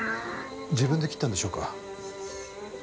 自分で切ったんでしょうか？